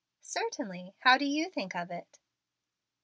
"Certainly. How do you think of it?"